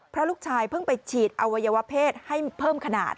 เพราะลูกชายเพิ่งไปฉีดอวัยวะเพศให้เพิ่มขนาด